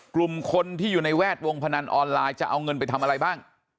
กลุ่มคนที่อยู่ในแวดวงพนันออนไลน์จะเอาเงินไปทำอะไรบ้าง